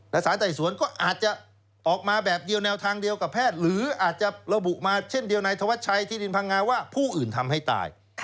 และสารไต่สวนก็อาจจะออกมาแบบเดียวแนวทางเดียวกับแพทย์หรืออาจจะระบุมาเช่นเดียวในธวัดชัยที่ดินพังงาว่าผู้อื่นทำให้ตาย